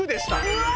うわ！